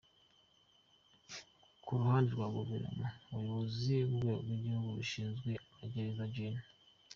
Ku ruhande rwa Guverinoma, Umuyobozi w’urwego rw’igihugu rushinzwe amagereza, Gen.